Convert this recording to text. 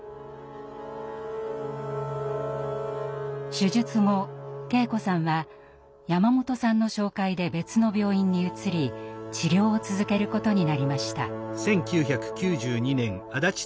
手術後圭子さんは山本さんの紹介で別の病院に移り治療を続けることになりました。